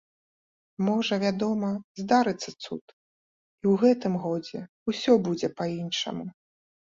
Можа, вядома, здарыцца цуд, і ў гэтым годзе ўсё будзе па-іншаму.